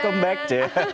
selamat pagi ya